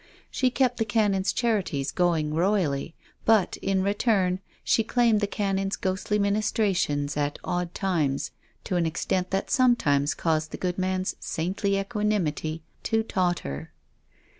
She kept the Canon's charities going royally, but, in return, she claimed the Canon's ghostly ministrations at odd times to an extent that sometimes caused the good man's saintly equanimity to totter.